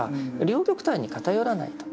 両極端に偏らないと。